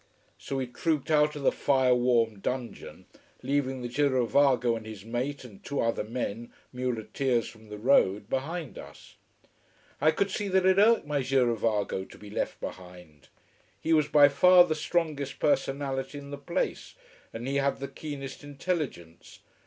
So we trooped out of the fire warmed dungeon, leaving the girovago and his mate and two other men, muleteers from the road, behind us. I could see that it irked my girovago to be left behind. He was by far the strongest personality in the place, and he had the keenest intelligence.